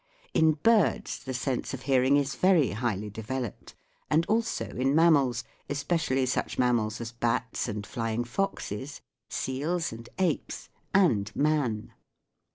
In birds the sense of hearing is very highly developed and also in mammals, especially such mammals as bats and flying foxes, seals and apes, and man.